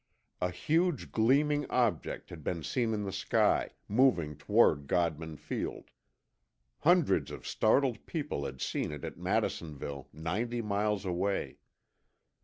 A huge gleaming object had been seen in the sky, moving toward Godman Field. Hundreds of startled people had seen it at Madisonville, ninety miles away.